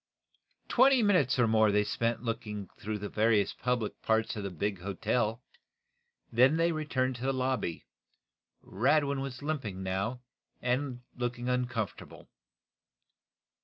Twenty minutes or more they spent in looking through the various public parts of the big hotel. Then they returned to the lobby. Radwin was limping, now, and looked uncomfortable.